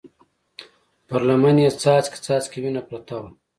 پر لمن يې څاڅکي څاڅکې وينه پرته وه.